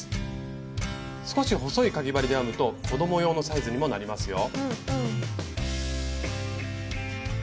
少し細いかぎ針で編むと子ども用のサイズにもなりますよ。